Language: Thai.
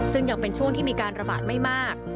ซึ่งยังเป็นช่วงที่มีการระบาดไม่มาก